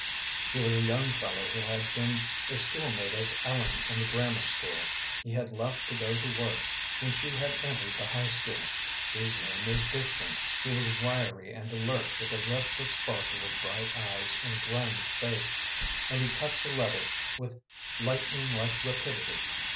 He was a young fellow who had been a school mate of Ellen in the grammar school. He had left to go to work when she had entered the high school. His name was Dixon. He was wiry and alert, with a restless sparkle of bright eyes in a grimy face, and he cut the leather with lightning like rapidity.